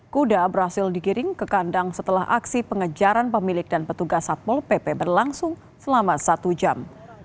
kuda berhasil digiring ke kandang setelah aksi pengejaran pemilik dan petugas satpol pp berlangsung selama satu jam